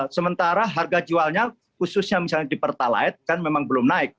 sementara harga jualnya khususnya misalnya di pertalite kan memang belum naik